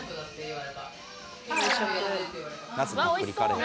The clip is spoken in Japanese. ナスたっぷりカレー。